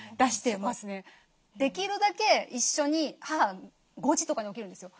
できるだけ一緒に母５時とかに起きるんですよ。